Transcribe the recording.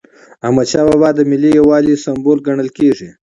احمدشاه بابا د ملي یووالي سمبول ګڼل کېږي.